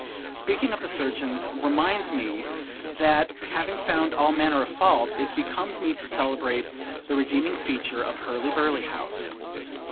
Speaking of the surgeons reminds me that, having found all manner of fault, it becomes me to celebrate the redeeming feature of Hurly burly House.